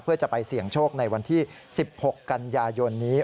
เพื่อจะไปเสี่ยงโชคในวันที่๑๖กันยายนนี้